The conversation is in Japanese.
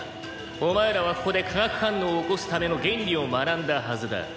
「お前らはここで化学反応を起こすための原理を学んだはずだ」